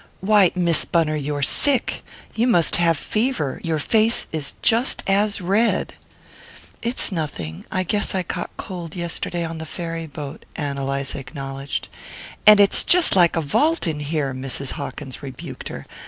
"Why, Miss Bunner, you're sick! You must have fever your face is just as red!" "It's nothing. I guess I caught cold yesterday on the ferry boat," Ann Eliza acknowledged. "And it's jest like a vault in here!" Mrs. Hawkins rebuked her.